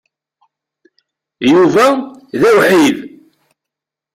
Yuba d awḥid.